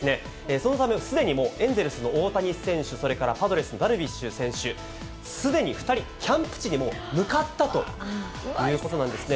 そのため、すでにもう、エンゼルスの大谷選手、それからパドレスのダルビッシュ選手、すでに２人、キャンプ地にもう向かったということなんですね。